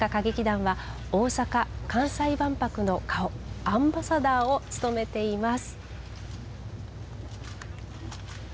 宝塚歌劇団は大阪・関西万博の顔アンバサダーを務めています。